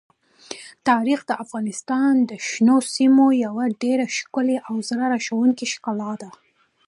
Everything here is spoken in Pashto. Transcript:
تاریخ د افغانستان د شنو سیمو یوه ډېره ښکلې او زړه راښکونکې ښکلا ده.